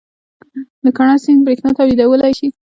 د کنړ سیند بریښنا تولیدولی شي؟